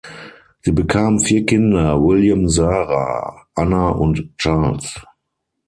Sie bekamen vier Kinder: William, Sarah, Anna und Charles.